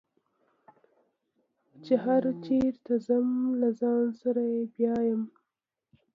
چې هر چېرته ځم له ځان سره یې بیایم.